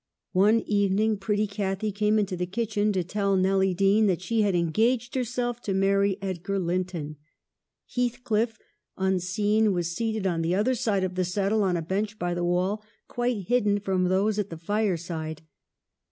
One evening pretty Cathy came into the kitchen to tell Nelly Dean that she had engaged herself to marry Edgar Linton. Heathcliff, unseen, was seated on the other side the settle, on a bench by the wall, quite hidden from those at the fireside.